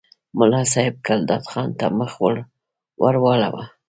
ملا صاحب ګلداد خان ته مخ ور واړاوه.